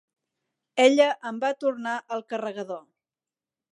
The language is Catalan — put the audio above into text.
Ella em va tornar el carregador.